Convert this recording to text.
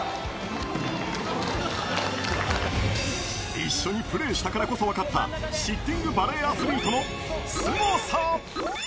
一緒にプレーしたからこそ分かったシッティングバレーアスリートのスゴさ。